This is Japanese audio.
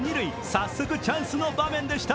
早速チャンスの場面でした。